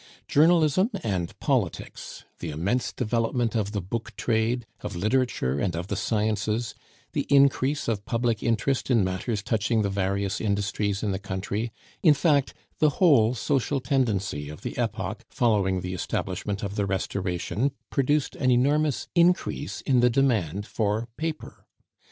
Journalism and politics, the immense development of the book trade, of literature and of the sciences; the increase of public interest in matters touching the various industries in the country; in fact, the whole social tendency of the epoch following the establishment of the Restoration produced an enormous increase in the demand for paper.